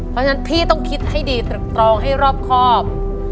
เพราะฉะนั้นพี่ต้องคิดให้ดีตรึงให้รอบครอบ